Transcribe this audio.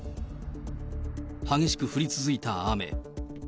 激しく降り続いた雨。